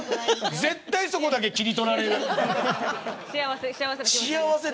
絶対そこだけ切り取られる。